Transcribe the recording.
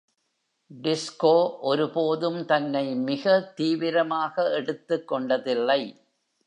Disco ஒருபோதும் தன்னை மிக தீவிரமாக எடுத்துக் கொண்டதில்லை.